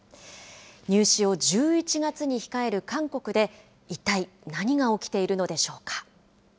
入試を１１月に控える韓国で、一体何が起きているのでしょうか。